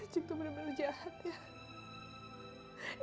cing tuh bener bener jahat ya